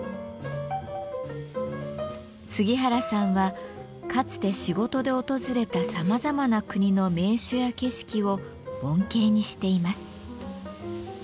杉原さんはかつて仕事で訪れたさまざまな国の名所や景色を盆景にしています。